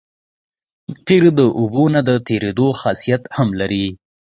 قیر د اوبو د نه تېرېدو خاصیت هم لري